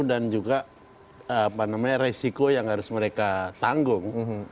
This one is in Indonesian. dan juga apa namanya resiko yang harus mereka tanggung